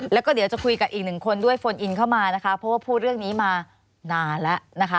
แล้วก็เดี๋ยวจะคุยกับอีกหนึ่งคนด้วยโฟนอินเข้ามานะคะเพราะว่าพูดเรื่องนี้มานานแล้วนะคะ